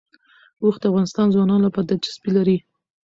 اوښ د افغان ځوانانو لپاره دلچسپي لري.